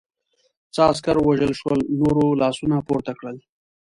څه عسکر ووژل شول، نورو لاسونه پورته کړل.